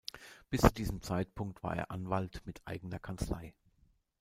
Bis zu diesem Zeitpunkt war er Anwalt mit eigener Kanzlei.